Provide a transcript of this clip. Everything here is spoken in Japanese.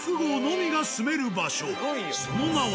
その名は。